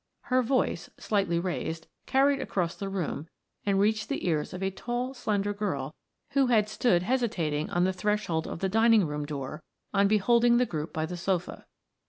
Her voice, slightly raised, carried across the room and reached the ears of a tall, slender girl who had stood hesitating on the threshold of the dining worn door on beholding the group by the sofa.